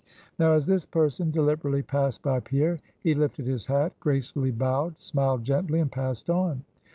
Now, as this person deliberately passed by Pierre, he lifted his hat, gracefully bowed, smiled gently, and passed on.